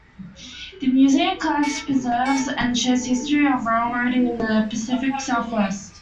The museum collects, preserves and shares the history of railroading in the Pacific Southwest.